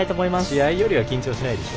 試合よりは緊張しないでしょ？